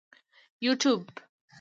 یوټیوب